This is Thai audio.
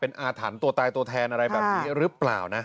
เป็นอาถรรพ์ตัวตายตัวแทนอะไรแบบนี้หรือเปล่านะ